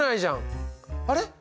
あれ？